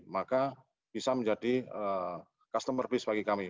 maka bisa menjadi customer base bagi kami